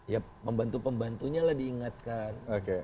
ya pembantu pembantunya lah diingatkan